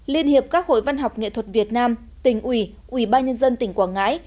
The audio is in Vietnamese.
liên hiệp các hội văn học nghệ thuật việt nam tỉnh ủy ủy ba nhân dân tỉnh quảng ngãi